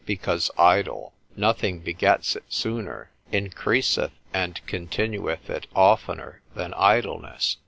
because idle. Nothing begets it sooner, increaseth and continueth it oftener than idleness.